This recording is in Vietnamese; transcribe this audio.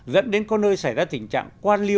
dẫn đến có nơi xảy ra tình trạng quan liêu